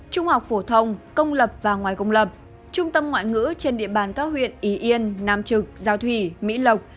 trung học phổ thông công lập và ngoài công lập trung tâm ngoại ngữ trên địa bàn các huyện ý yên nam trực giao thủy mỹ lộc